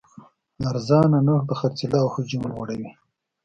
ارزانه نرخ د خرڅلاو حجم لوړوي.